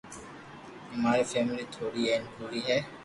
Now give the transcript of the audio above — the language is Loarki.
اماري فيملي ٿوڙي ھين پوري ھي